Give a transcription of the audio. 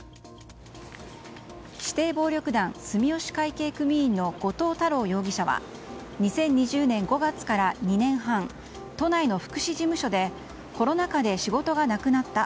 指定暴力団住吉会系組員の後藤太郎容疑者は２０２０年５月から２年半都内の福祉事務所でコロナ禍で仕事がなくなった。